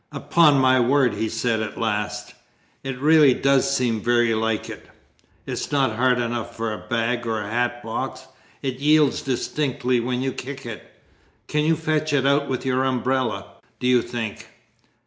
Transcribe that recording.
"Upon my word," he said at last, "it really does seem very like it. It's not hard enough for a bag or a hat box. It yields distinctly when you kick it. Can you fetch it out with your umbrella, do you think?